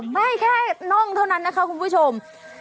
ให้แค่น่องเท่านั้นนะคะคุณผู้ชม